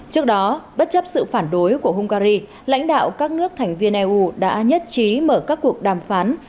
trước đó bất chấp sự phản đối của hungary lãnh đạo các nước thành viên eu đã nhất trí mở các cuộc đàm phán